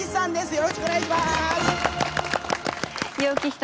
よろしくお願いします。